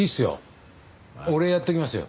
俺やっておきますよ。